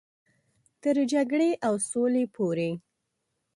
تر جګړې او سولې پورې.